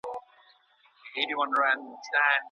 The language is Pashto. ولي هوډمن سړی د تکړه سړي په پرتله ښه ځلېږي؟